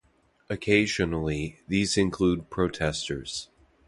Occasionally, these include protesters.